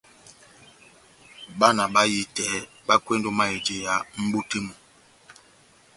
Bana bahitɛ bakwendi ó mayɛjiya mʼbú tɛ́ mú.